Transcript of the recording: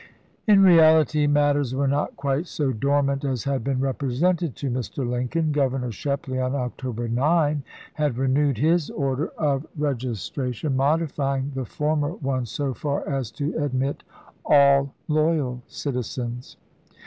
In reality matters were not quite so dormant as had been represented to Mr. Lincoln. Governor 1863. Shepley, on October 9, had renewed his order of LOUISIANA FEEE 425 registration, modifying the former one so far as to ch. xvii. admit " all loyal citizens."